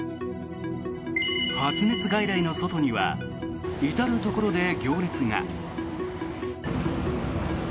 発熱外来の外には至るところで行列が。